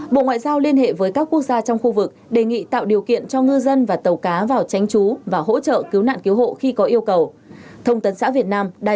bộ ngoại giao liên hệ với các quốc gia trong khu vực đề nghị tạo điều kiện cho ngư dân và tàu cá